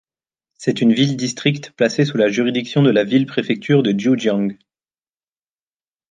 C'est une ville-district placée sous la juridiction de la ville-préfecture de Jiujiang.